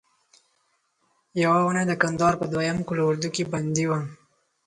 یوه اونۍ د کندهار په دوهم قول اردو کې بندي وم.